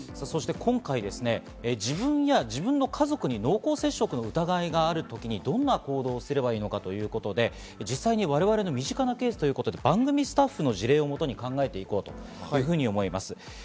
今回、自分や自分の家族に濃厚接触の疑いがあることにどんな行動をすればいいのかということで、実際に我々の身近なケースということで番組スタッフの事例をもとに考えて行こうと思います。